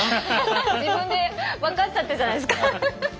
自分で分かっちゃったじゃないですか。